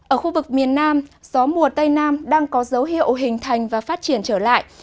ở khu vực miền nam gió mùa tây nam đang có dấu hiệu hình thành và phát triển trở lại